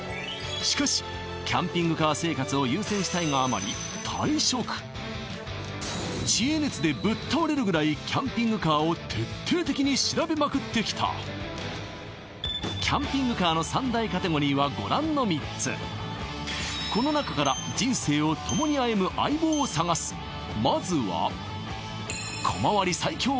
しかしキャンピングカー生活を優先したいがあまり退職知恵熱でぶっ倒れるぐらいキャンピングカーを徹底的に調べまくってきたキャンピングカーの３大カテゴリーはご覧の３つこの中から人生を共に歩む相棒を探すまずは小回り最強！